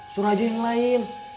surah aja yang lain